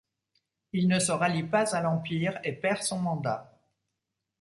Il ne se rallie pas à l'Empire et perd son mandat.